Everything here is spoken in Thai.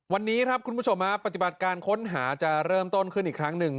วันนี้ครับคุณผู้ชมปฏิบัติการค้นหาจะเริ่มต้นขึ้นอีกครั้งหนึ่ง